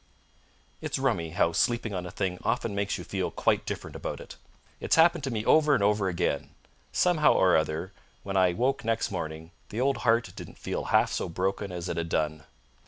It's rummy how sleeping on a thing often makes you feel quite different about it. It's happened to me over and over again. Somehow or other, when I woke next morning the old heart didn't feel half so broken as it had done.